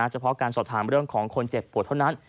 เฉพาะการสอบถามเรื่องของคนเจ็บปวดเท่านั้น